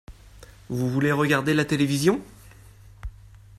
Vous voulez regarder la télévision ?